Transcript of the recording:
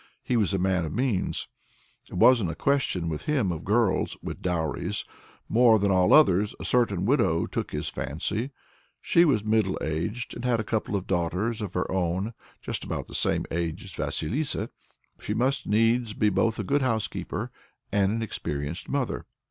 He was a man of means. It wasn't a question with him of girls (with dowries); more than all others, a certain widow took his fancy. She was middle aged, and had a couple of daughters of her own just about the same age as Vasilissa. She must needs be both a good housekeeper and an experienced mother.